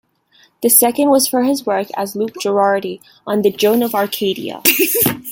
The second was for his work as Luke Girardi on the "Joan of Arcadia".